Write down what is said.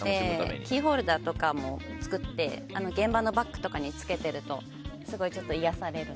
キーホルダーとかも作って現場のバッグとかにつけてるとすごい癒やされるので。